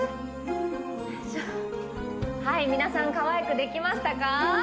はい皆さんかわいくできましたか？